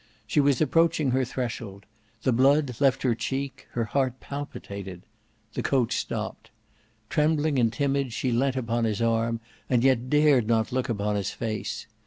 She was approaching her threshold; the blood left her cheek, her heart palpitated. The coach stopped. Trembling and timid she leant upon his arm and yet dared not look upon his face.